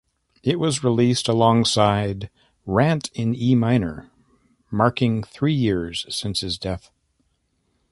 It was released alongside "Rant in E-Minor", marking three years since his death.